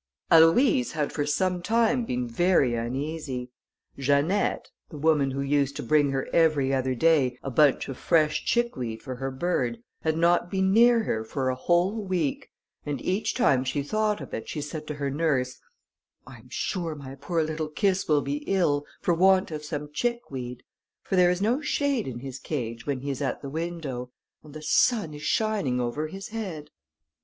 Aloïse had for some time been very uneasy. Janette, the woman who used to bring her every other day a bunch of fresh chickweed for her bird, had not been near her for a whole week, and each time she thought of it, she said to her nurse, "I am sure my poor little Kiss will be ill, for want of some chickweed, for there is no shade in his cage when he is at the window, and the sun is shining over his head."